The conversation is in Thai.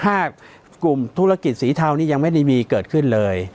ถ้ากลุ่มธุรกิจสีเทานี้ยังไม่ได้มีเกิดขึ้นเลย